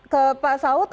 ke pak saud